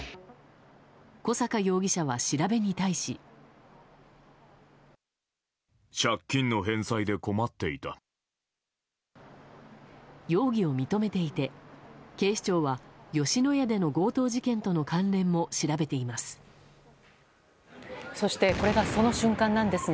小阪容疑者は調べに対し。容疑を認めていて、警視庁は吉野家での強盗事件との関連も調べています。